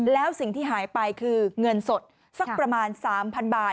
แล้วสิ่งที่หายไปคือเงินสดสักประมาณ๓๐๐๐บาท